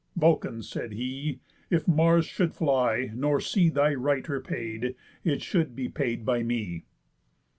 "Vulcan," said he, "if Mars should fly, nor see Thy right repaid, it should be paid by me."